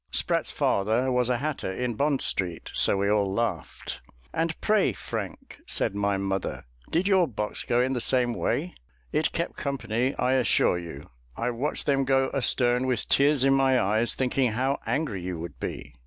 Spratt's father was a hatter in Bond Street, so we all laughed." "And pray, Frank," said my mother, "did your box go in the same way?" "It kept company, I assure you. I watched them go astern, with tears in my eyes, thinking how angry you would be."